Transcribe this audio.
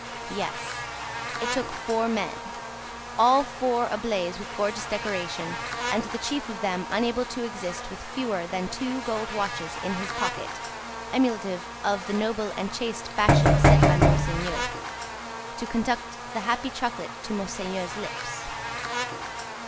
Yes. It took four men, all four ablaze with gorgeous decoration, and the Chief of them unable to exist with fewer than two gold watches in his pocket, emulative of the noble and chaste fashion set by Monseigneur, to conduct the happy chocolate to Monseigneur's lips.